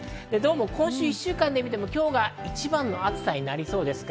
今週１週間で見ても、今日が一番の暑さになりそうです。